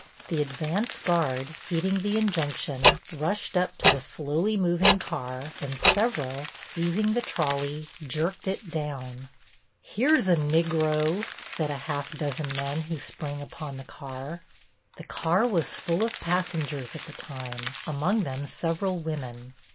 The advance guard, heeding the injunction, rushed up to the slowly moving car, and several, seizing the trolley, jerked it down. "Here's a Nigro!" said half a dozen men who sprang upon the car. The car was full of passengers at the time, among them several women.